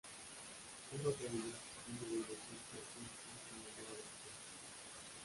Uno de ellos, tímido e inocente Beom-sil se enamora de Soo-ok.